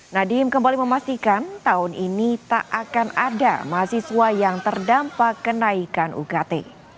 nadiem kembali memastikan tahun ini tak akan ada mahasiswa yang terdampak kenaikan ukt